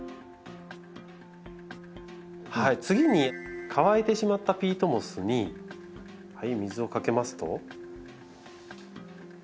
次に乾いてしまったピートモスに水をかけますと。